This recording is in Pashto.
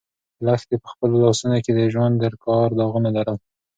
لښتې په خپلو لاسو کې د ژوند د کار داغونه لرل.